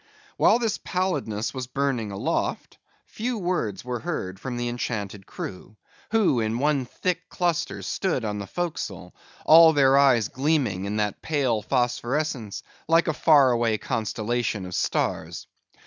While this pallidness was burning aloft, few words were heard from the enchanted crew; who in one thick cluster stood on the forecastle, all their eyes gleaming in that pale phosphorescence, like a far away constellation of stars.